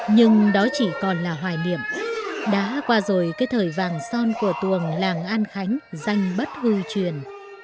nhưng đó chỉ còn là hoài niệm đã qua rồi cái thời vàng son của tuồng làng an khánh danh bất hư truyền